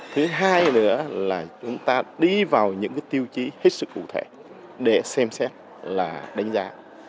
thứ hai nữa là chúng ta đi vào những tiêu chí hết sức cụ thể để xem xét là đánh giá